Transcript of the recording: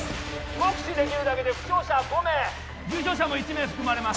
目視できるだけで負傷者は５名重傷者も１名含まれます